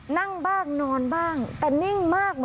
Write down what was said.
นั่งบ้างนอนบ้างแต่นิ่งมาก